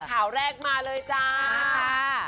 ข่าวแรกมาเลยจ้าค่ะ